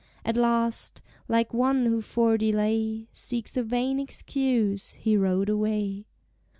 At last, like one who for delay Seeks a vain excuse, he rode away.